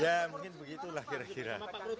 ya mungkin begitulah kira kira